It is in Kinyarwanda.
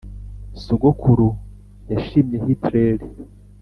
sogokuru yashimye hitler